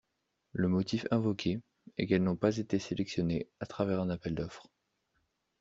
Le motif invoqué est qu'elles n'ont pas été sélectionnées à travers un appel d'offres.